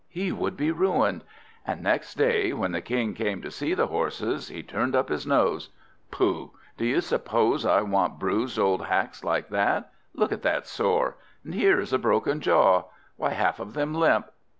He would be ruined! And next day, when the King came to see the horses, he turned up his nose. "Pooh! do you suppose I want bruised old hacks like that? Look at that sore! And here is a broken jaw! Why, half of them limp!"